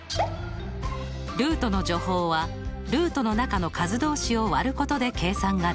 ルートの除法はルートの中の数同士をわることで計算ができます。